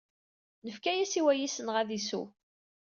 Nefka-as i wayis-nneɣ ad isew.